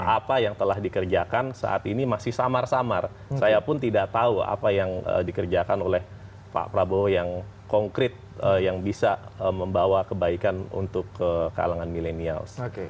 apa yang telah dikerjakan saat ini masih samar samar saya pun tidak tahu apa yang dikerjakan oleh pak prabowo yang konkret yang bisa membawa kebaikan untuk kalangan milenials